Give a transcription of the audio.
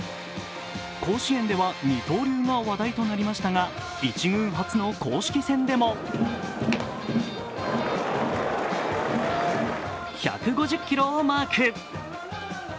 甲子園では二刀流が話題となりましたが１軍初の公式戦でも１５０キロをマーク。